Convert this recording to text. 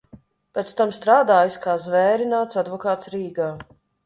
Pēc tam strādājis kā zvērināts advokāts Rīgā.